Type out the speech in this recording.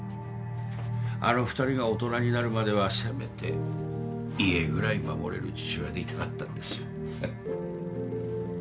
あの２人が大人になるまではせめて家ぐらい守れる父親でいたかったんですよ